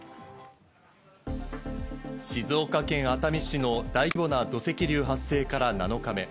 静岡県熱海市の大規模な土石流発生から７日目。